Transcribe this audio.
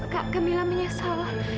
kak mila menyesal